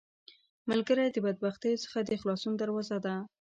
ملګری د بدبختیو څخه د خلاصون دروازه ده